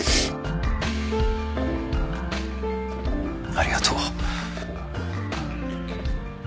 ありがとう。